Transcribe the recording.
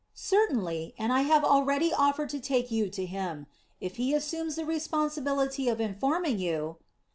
"Certainly; and I have already offered to take you to him. If he assumes the responsibility of informing you...."